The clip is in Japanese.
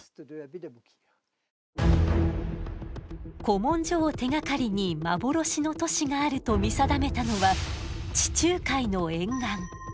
古文書を手がかりに幻の都市があると見定めたのは地中海の沿岸。